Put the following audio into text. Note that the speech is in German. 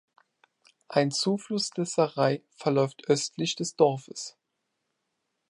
Ein Zufluss des "Sarai" verläuft östlich des Dorfes.